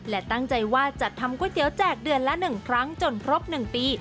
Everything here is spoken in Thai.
และตั้งใจว่าจัดทำก๋วยเตี๋แจกเดือนละ๑ครั้งจนครบ๑ปี